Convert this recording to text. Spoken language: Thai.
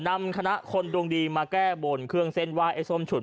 นำคณะคนดวงดีมาแก้บนเครื่องเส้นไหว้ไอ้ส้มฉุน